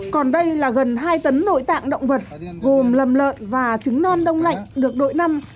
còn đây là gần hai tấn nội tạng động vật gồm lầm lợn và trứng non đông lạnh được đội năm